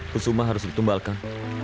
kusuma harus ditumbalkan